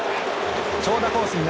長打コース。